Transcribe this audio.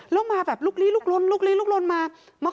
อ้อแล้วมาแบบลุกลี่ลุกลนมาขอเงิน